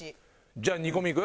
じゃあ２個目いく？